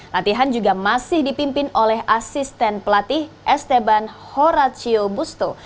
latihan juga masih dipimpin oleh asisten pelatih esteban horacio busto